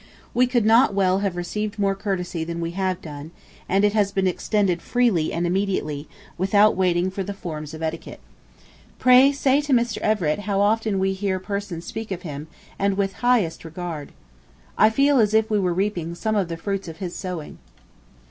We could not well have received more courtesy than we have done, and it has been extended freely and immediately, without waiting for the forms of etiquette. Pray say to Mr. Everett how often we hear persons speak of him, and with highest regard. I feel as if we were reaping some of the fruits of his sowing.